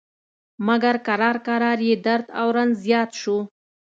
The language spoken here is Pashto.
مګر کرار کرار یې درد او رنځ زیات شو.